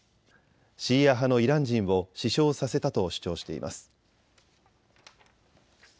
シーア派のイラン人を死傷させたと主張しています。